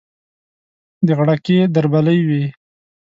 د غړکې دربلۍ وي